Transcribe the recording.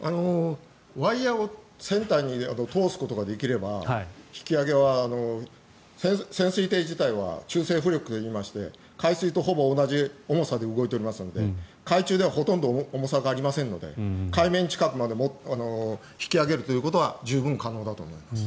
ワイヤを船体に通すことができれば引き揚げは潜水艇自体は中性浮力といいまして海水とほぼ同じ重さで動いていますので海中ではほとんど重さがありませんので海面近くまで引き揚げるということは十分可能だと思います。